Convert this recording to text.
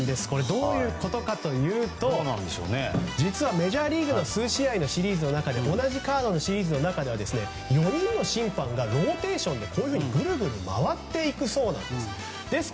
どういうことかというと実はメジャーリーグの数試合のシリーズの中で同じカードの試合では４人の審判がローテーションでぐるぐる回っていくそうなんです。